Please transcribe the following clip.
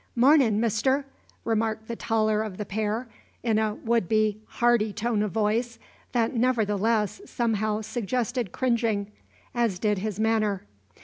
"Mornin', Mister," remarked the taller of the pair, in a would be hearty tone of voice that nevertheless somehow suggested cringing, as did his manner.